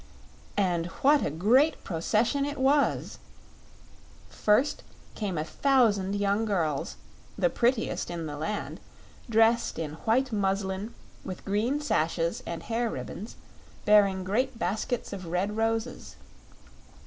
And what a great procession it was! First came a thousand young girls the prettiest in the land dressed in white muslin, with green sashes and hair ribbons, bearing green baskets of red roses.